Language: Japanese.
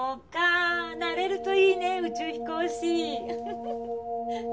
なれるといいね宇宙飛行士。